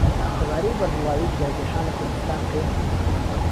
لەبارەی بەربڵاویی جگەرەكێشان لە كوردستان كرد